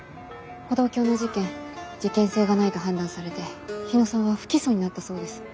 歩道橋の事件事件性がないと判断されて日野さんは不起訴になったそうです。